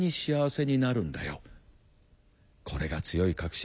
これが強い確信